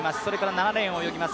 ７レーンを泳ぎます